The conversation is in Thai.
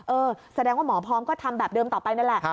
เออแสดงว่าหมอพร้อมก็ทำแบบเดิมต่อไปนั่นแหละ